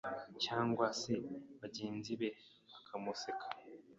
cyangwa se bagenzi be bakamuseka